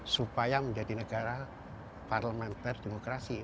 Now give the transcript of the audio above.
supaya menjadi negara parlementer demokrasi